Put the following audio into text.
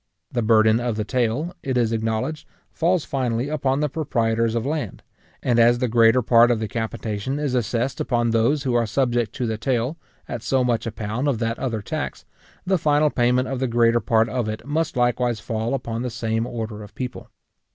The burden of the taille, it is acknowledged, falls finally upon the proprietors of land; and as the greater part of the capitation is assessed upon those who are subject to the taille, at so much a pound of that other tax, the final payment of the greater part of it must likewise fall upon the same order of people.